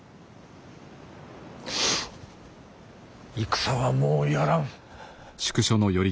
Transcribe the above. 戦はもうやらん。